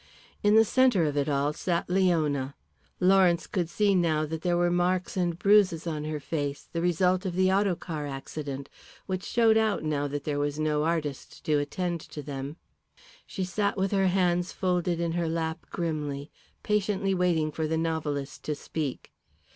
In the centre of it all sat Leona. Lawrence could see now that there were marks and bruises on her face, the result of the autocar accident, which showed out now there was no artist to attend to them. She sat with her hands folded in her lap grimly, patiently waiting for the novelist to speak.